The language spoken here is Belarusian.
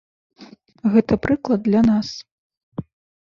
Гэта прыклад для нас.